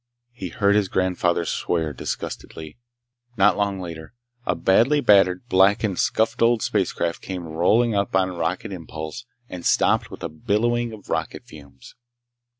He heard his grandfather swear disgustedly. Not long later, a badly battered, blackened, scuffed old spacecraft came rolling up on rocket impulse and stopped with a billowing of rocket fumes.